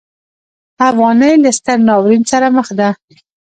افغانۍ له ستر ناورین سره مخ ده.